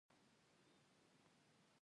دوه هندواڼې یو لاس کې اخیستل کیدای نه شي.